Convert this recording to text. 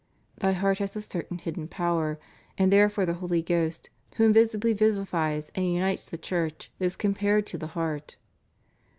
"Thy heart has a certain hidden power, and therefore the Holy Ghost, who invisibly vivifies and unites the Church, is compared to the heart."